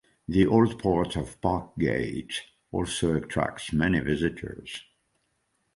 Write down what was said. The old port of Parkgate also attracts many visitors.